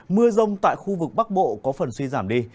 mưa rông tại khu vực bắc bộ có phần suy giảm đi